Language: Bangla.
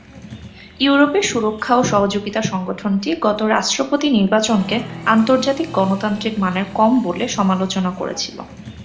ইউরোপে সুরক্ষা ও সহযোগিতা সংগঠনটি গত রাষ্ট্রপতি নির্বাচনকে আন্তর্জাতিক গণতান্ত্রিক মানের কম বলে সমালোচনা করেছিল।